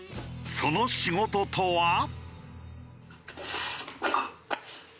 その仕事とは。